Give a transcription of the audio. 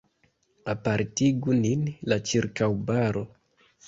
Apartigu nin la ĉirkaŭbaro.